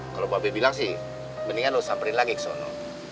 kalau babi bilang sih mendingan lo samperin lagi ke sana